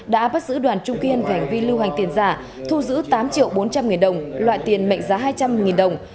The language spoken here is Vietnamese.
đã bắt giữ đoàn trung kiên về hành vi lưu hành tiền giả thu giữ tám triệu bốn trăm linh nghìn đồng loại tiền mệnh giá hai trăm linh đồng